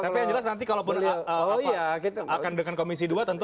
tapi yang jelas nanti kalau akan dengan komisi dua tentu akan dijelaskan